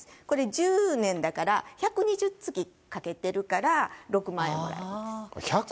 これ、１０年だから１２０月かけてるから６万円ぐらいです。